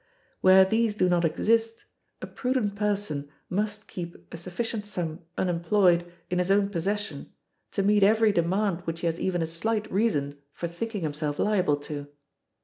Where these do not exist, a prudent person must keep a sufficient sum unemployed in his own possession to meet every demand which he has even a slight reason for thinking himself liable to.